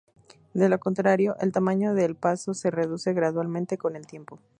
De lo contrario, el tamaño del paso se reduce gradualmente con el tiempo.